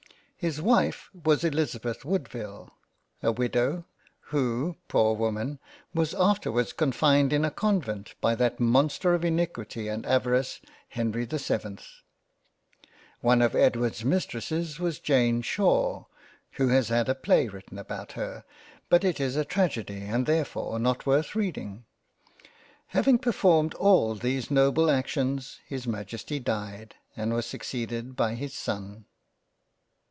His Wife was Elizabeth Woodville, a Widow who, poor Woman ! was afterwards confined in a Convent by that Monster of Iniquity and Avarice Henry the 7th. One of Edward's Mistresses was Jane Shore, who has had a play written about her, but it is a tragedy and therefore not worth 86 £ THE HISTORY OF ENGLAND £ reading. Having performed all these noble actions, his Majesty died, and was succeeded by his son.